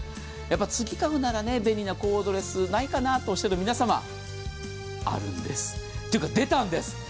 やっぱり次買うなら便利なコードレスないかなとおっしゃる皆様、あるんです。というか、出たんです。